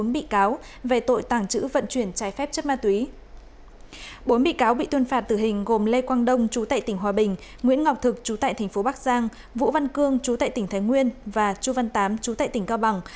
bốn bị cáo bị tuyên phạt tử hình gồm lê quang đông chú tại tỉnh hòa bình nguyễn ngọc thực chú tại tp bắc giang vũ văn cương chú tại tỉnh thái nguyên và chu văn tám chú tại tỉnh cao bằng